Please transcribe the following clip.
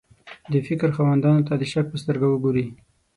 د فکر خاوندانو ته د شک په سترګه وګوري.